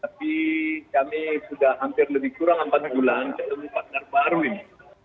tapi kami sudah hampir lebih kurang empat bulan ketemu partner baru ini